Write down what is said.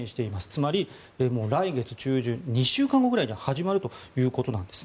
つまりもう来月中旬２週間後ぐらいには始まるということです。